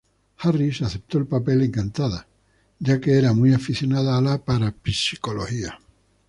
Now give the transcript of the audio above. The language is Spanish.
Harris aceptó el papel encantada, ya que era muy aficionada a la parapsicología.